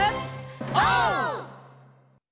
オー！